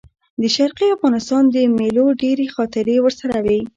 د شرقي افغانستان د مېلو ډېرې خاطرې ورسره وې.